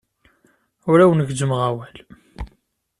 Ur awen-gezzmeɣ awal.